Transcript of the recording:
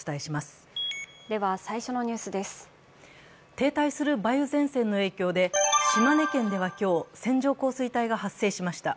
停滞する梅雨前線の影響で島根県では今日、線状降水帯が発生しました。